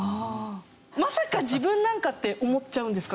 「まさか自分なんか」って思っちゃうんですかね